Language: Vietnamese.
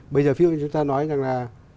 bây giờ chúng ta nói rằng là